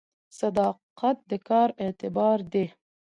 صداقت د کار اعتبار دی